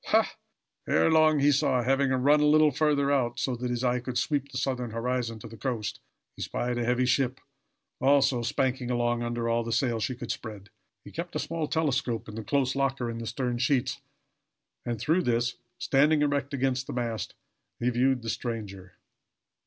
Ha! Ere long he saw. Having run a little further out, so that his eye could sweep the southern horizon to the coast, he espied a heavy ship, also spanking along under all the sail she could spread. He kept a small telescope in the close locker in the stern sheets, and, through this, standing erect against the mast, he viewed the stranger.